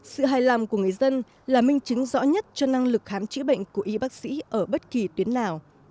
sự hài lòng của người dân là minh chứng rõ nhất cho năng lực khám chữa bệnh của y bác sĩ ở bất kỳ tuyến nào